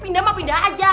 pindah ma pindah aja